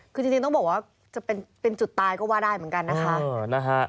คือจริงต้องบอกว่าจะเป็นจุดตายก็ว่าได้เหมือนกันนะคะ